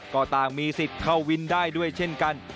ก็ต่างมีสิทธิ์เข้าวินได้ด้วยเช่นกัน